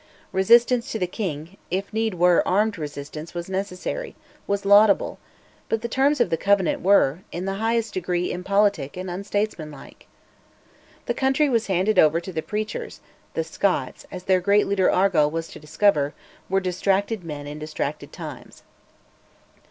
Resistance to the king if need were, armed resistance was necessary, was laudable, but the terms of the Covenant were, in the highest degree impolitic and unstatesmanlike. The country was handed over to the preachers; the Scots, as their great leader Argyll was to discover, were "distracted men in distracted times."